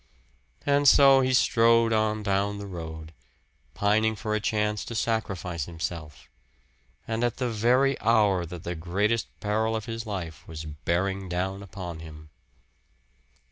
And so he strode on down the road, pining for a chance to sacrifice himself and at the very hour that the greatest peril of his life was bearing down upon him.